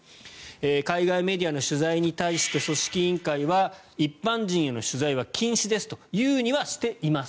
海外メディアの取材に対して組織委員会は一般人への取材は禁止ですとはしています。